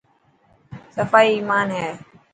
صفائي ايمان هي.